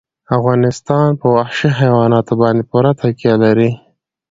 افغانستان په وحشي حیواناتو باندې پوره تکیه لري.